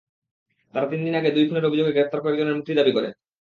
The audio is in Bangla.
তারা তিন দিন আগে দুই খুনের অভিযোগে গ্রেপ্তার কয়েকজনের মুক্তি দাবি করে।